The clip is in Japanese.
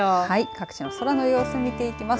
各地の空の様子を見ていきます。